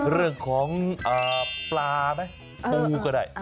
เรื่องของปลาไหมปูก็ได้